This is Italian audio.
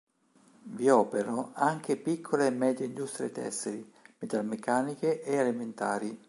Vi operano anche piccole e medie industrie tessili, metalmeccaniche e alimentari.